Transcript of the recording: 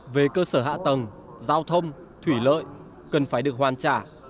về cơ sở hạ tầng giao thông thủy lợi cần phải được hoàn trả